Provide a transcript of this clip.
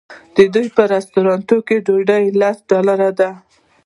د دوی په رسټورانټ کې ډوډۍ لس ډالره ده.